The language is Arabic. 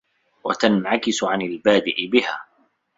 وَتَنْعَكِسُ عَنْ الْبَادِئِ بِهَا